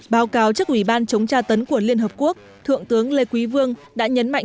báo cáo trước ủy ban chống tra tấn của liên hợp quốc thượng tướng lê quý vương đã nhấn mạnh